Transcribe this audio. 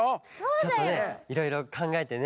ちょっとねいろいろかんがえてね。